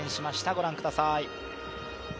ご覧ください。